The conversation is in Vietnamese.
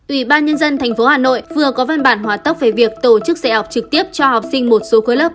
ủy ban nhân dân tp hà nội vừa có văn bản hòa tốc về việc tổ chức dạy học trực tiếp cho học sinh một số khối lớp